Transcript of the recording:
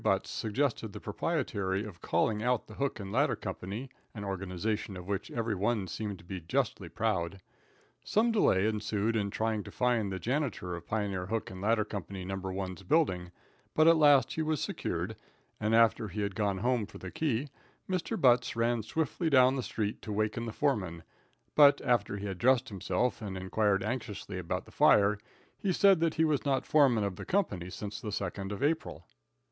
Butts suggested the propriety of calling out the hook and ladder company, an organization of which every one seemed to be justly proud. Some delay ensued in trying to find the janitor of Pioneer Hook and Ladder Company No. 1's building, but at last he was secured, and, after he had gone home for the key, Mr. Butts ran swiftly down the street to awaken the foreman, but, after he had dressed himself and inquired anxiously about the fire, he said that he was not foreman of the company since the 2d of April.